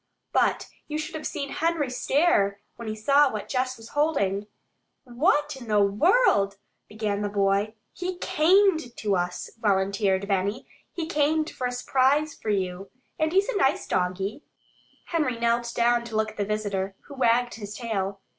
But you should have seen Henry stare when he saw what Jess was holding! "Where in the world " began the boy. "He camed to us," volunteered Benny. "He camed for a s'prise for you. And he's a nice doggie." Henry knelt down to look at the visitor, who wagged his tail.